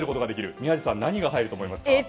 宮司さん何が入ると思いますか？